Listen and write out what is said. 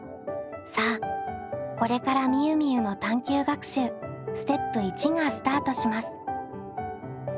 さあこれからみゆみゆの探究学習ステップ①がスタートします。